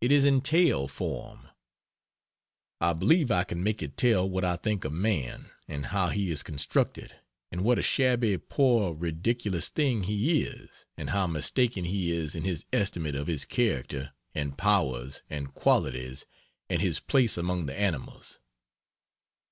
It is in tale form. I believe I can make it tell what I think of Man, and how he is constructed, and what a shabby poor ridiculous thing he is, and how mistaken he is in his estimate of his character and powers and qualities and his place among the animals.